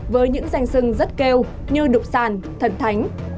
với những danh sưng rất kêu như đục sàn thần thánh